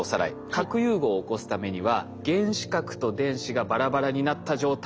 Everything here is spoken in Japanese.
核融合を起こすためには原子核と電子がバラバラになった状態。